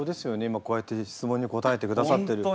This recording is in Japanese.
今こうやって質問に答えてくださってる。